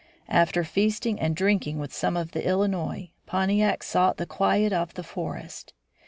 After feasting and drinking with some of the Illinois, Pontiac sought the quiet of the forest.